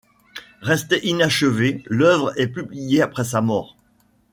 Restée inachevée, l'œuvre est publiée après sa mort.